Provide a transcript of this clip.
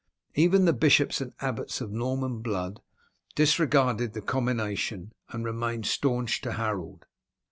Even the bishops and abbots of Norman blood disregarded the commination, and remained staunch to Harold.